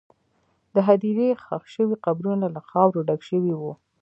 د هدیرې ښخ شوي قبرونه له خاورو ډک شوي وو.